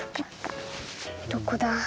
どこだ？